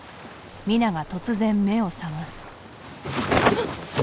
あっ！